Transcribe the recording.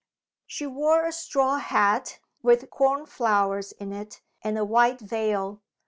"She wore a straw hat, with corn flowers in it, and a white veil.